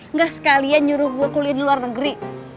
enggak sekalian nyuruh gue kuliah di luar negeri